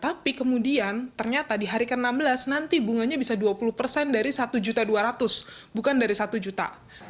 tapi kemudian ternyata di hari ke enam belas nanti bunganya bisa dua puluh persen dari satu juta dua ratus bukan dari satu juta